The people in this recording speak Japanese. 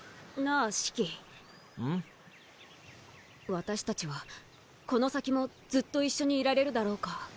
私たちはこの先もずっと一緒にいられるだろうか。